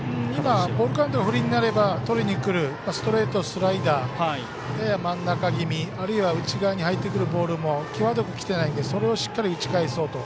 ボールカウントが不利になればとりにくるストレート、スライダーやや真ん中気味あるいは内側に入ってくるボールもしっかり打ち返そうと。